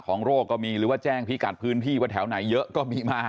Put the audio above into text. โรคก็มีหรือว่าแจ้งพิกัดพื้นที่ว่าแถวไหนเยอะก็มีมา